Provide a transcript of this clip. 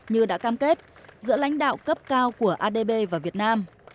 như đã cam kết giữa lãnh đạo cấp cao của adb và việt nam